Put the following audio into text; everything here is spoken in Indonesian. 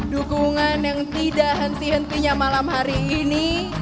dukungan yang tidak henti hentinya malam hari ini